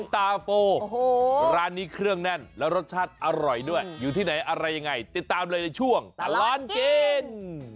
ตาโฟร้านนี้เครื่องแน่นแล้วรสชาติอร่อยด้วยอยู่ที่ไหนอะไรยังไงติดตามเลยในช่วงตลอดกิน